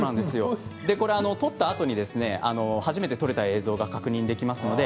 撮ったあとに初めて撮れた映像が確認できます。